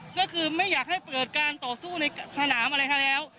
ก็คือไม่อยากให้เปิดการต่อสู้ในสนามอะไรให้แล้ว